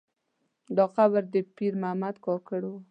دا قبر د پیر محمد کاکړ و.